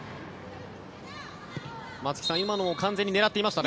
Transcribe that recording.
松木さん、今のは完全に狙っていましたね。